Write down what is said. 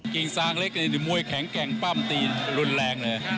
กิ่งซางเล็กมวยแข็งแกร่งปั้มตีรุนแรงเลย